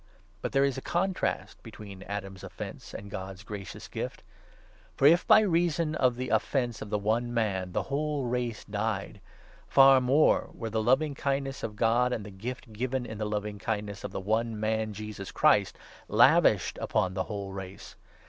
But there is a contrast between Adam's 15 Offence and God's gracious Gift. For, if by reason of the offence of the one man the whole race died, far more were the loving kindness of God, and the gift given in the loving kindness of the one man, Jesus Christ, lavished upon the whole race.